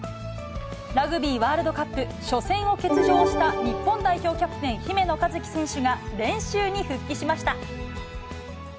ラグビーワールドカップ、初戦を欠場した日本代表キャプテン、姫野和樹選手が、練習に復帰しました。